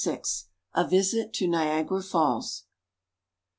A VISIT TO NIAGARA FALLS.